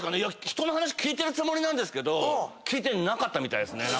人の話聞いてるつもりなんですけど聞いてなかったみたいですね。